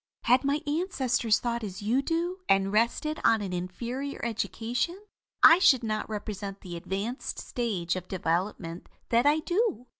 "Had my ancestors thought as you do, and rested on an inferior education, I should not represent the advanced stage of development that I do.